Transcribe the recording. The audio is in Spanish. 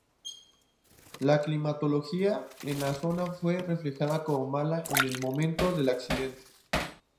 La climatología en la zona fue reflejada como mala en el momento del accidente.